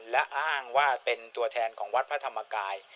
และอ้างว่าเป็นตัวแทนของวัดพระธรรมกาย